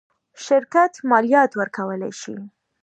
شرکت مالیات ورکولی شي.